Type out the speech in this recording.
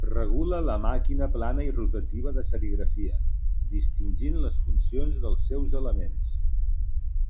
Regula la màquina plana i rotativa de serigrafia, distingint les funcions dels seus elements.